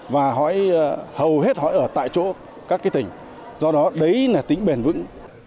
và hầu hết hỏi ở tại chỗ các tỉnh do đó đấy là tính bền vững